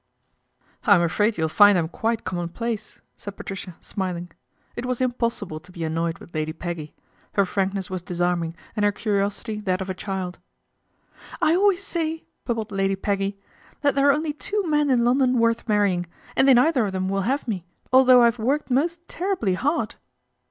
" I'm afraid you'll find I'm quite common place," said Patricia, smiling. It was impossible LADY PEGGY MAKES A FRIEND 247 :o be annoyed with Lady Peggy. Her frank icss was disarming, and her curiosity that of a " I always say," bubbled Lady Peggy, " that there are only two men in London worth marry jig, and they neither of them will have me, ilthough I've worked most terribly hard."